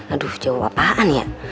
aduh jawab apaan ya